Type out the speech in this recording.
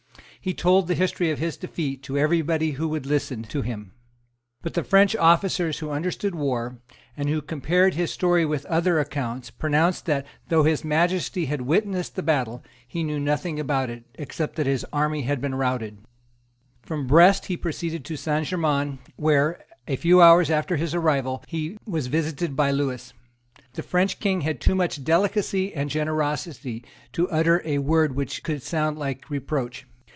He told the history of his defeat to everybody who would listen to him. But French officers who understood war, and who compared his story with other accounts, pronounced that, though His Majesty had witnessed the battle, he knew nothing about it, except that his army had been routed, From Brest he proceeded to Saint Germains, where, a few hours after his arrival, he was visited by Lewis. The French King had too much delicacy and generosity to utter a word which could sound like reproach.